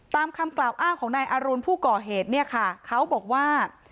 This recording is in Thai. ตามคำกล่าวอ้างของนายอรุณผู้ก่อเหตุเนี่ยค่ะเขาบอกว่า